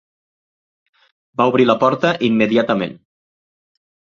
Va obrir la porta immediatament.